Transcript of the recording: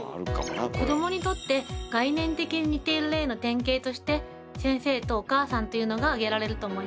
子どもにとって概念的に似ている例の典型として「先生」と「お母さん」っていうのが挙げられると思います。